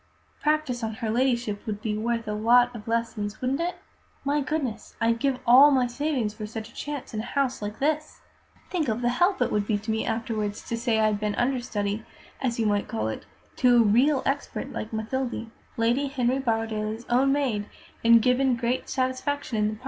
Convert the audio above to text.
Practice on her Ladyship would be worth a lot of lessons, wouldn't it? My goodness! I'd give all my savings for such a chance in a house like this! Think of the help it would be to me afterwards to say I'd been understudy, as you might call it, to a real expert like Mathilde, Lady Henry Borrowdaile's own maid, and given great satisfaction in the part!